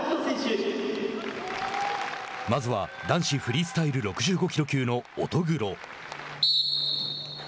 まずは男子フリースタイル６５キロ級の乙黒。